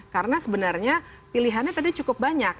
karena sebenarnya pilihannya tadi cukup banyak